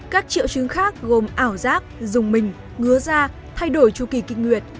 các triệu chứng khác gồm ảo giác dùng mình ngứa ra thay đổi chu kỳ kinh nguyệt